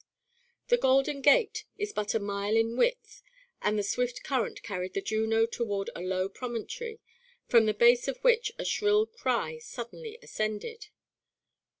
The Golden Gate is but a mile in width and the swift current carried the Juno toward a low promontory from the base of which a shrill cry suddenly ascended.